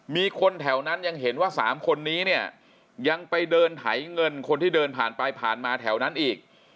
มีคนแถวนั้นยังเห็นว่า๓คนนี้เนี่ยยังไปเดินไถเงินคนที่เดินผ่านไปผ่านมาแถวนั้นอีก